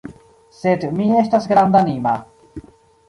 Sed mi estas grandanima.